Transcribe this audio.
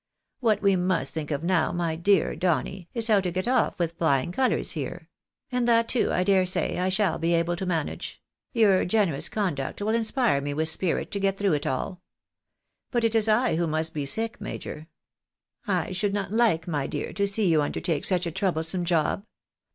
What we must think of now, my dear Doimy, is how to get off with flying colours here : and that too, I dare say I shall be able to manage ; your generous conduct will inspire me DOUBTS ABOUT THE RECEPTION OF A JOKE, 205 witli spirit to get through it all. But it is I who must be sick, major. I should not like, my dear, to see you uudertake such a troublesome job.